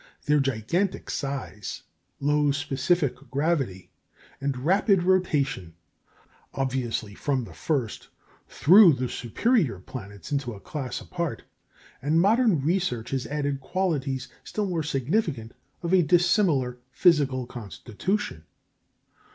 Their gigantic size, low specific gravity, and rapid rotation, obviously from the first threw the "superior" planets into a class apart; and modern research has added qualities still more significant of a dissimilar physical constitution.